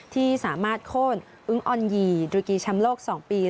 ที่สามารถโค้นอึ้งออนยีตุรกีแชมป์โลก๒ปี